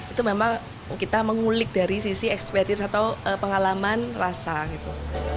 itu memang kita mengulik dari sisi experience atau pengalaman rasa gitu